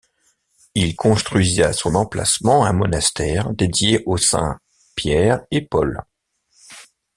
Il construisit à son emplacement un monastère dédié aux saints Pierre et Paul.